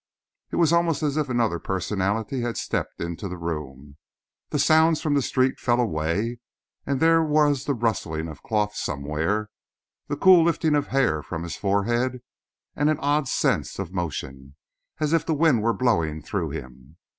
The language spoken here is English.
It was almost as if another personality had stepped into the room. The sounds from the street fell away, and there was the rustling of cloth somewhere, the cool lifting of hair from his forehead, and an odd sense of motion as if the wind were blowing through him.